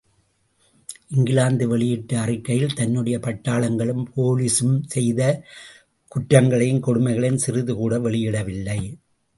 இங்கிலாந்து வெளியிட்ட அறிக்கையில் தன்னுடைய பட்டாளங்களும் போலிஸும் செய்த குற்றங்களையும் கொடுமைகளையும் சிறிது கூட வெளியிடவில்லை.